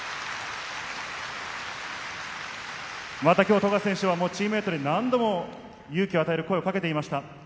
また今日、富樫選手はチームメートに何度も勇気を与える声をかけていました。